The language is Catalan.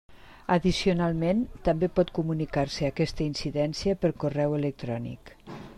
Addicionalment, també pot comunicar-se aquesta incidència per correu electrònic.